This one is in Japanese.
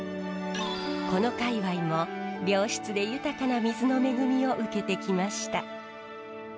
この界わいも良質で豊かな水の恵みを受けてきました。